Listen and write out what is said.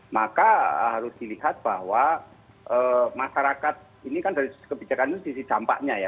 maka harus dilihat bahwa masyarakat ini kan dari sisi kebijakan ini sisi dampaknya ya